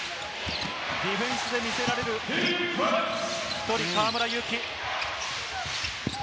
ディフェンスで見せられる河村勇輝。